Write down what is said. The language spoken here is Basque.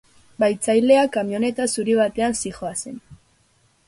Bahitzaileak kamioneta zuri batean zihoazen.